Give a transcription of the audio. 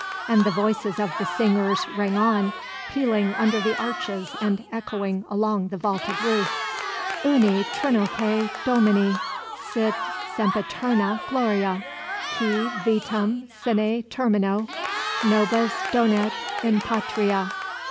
And the voices of the singers rang on, pealing under the arches and echoing along the vaulted roof: "Uni trinoque Domino Sit sempiterna gloria: Qui vitam sine termino Nobis donet in patria."